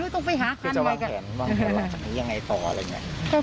คือจะวางแผนวางแผนนี้ยังไงต่อแบบไหน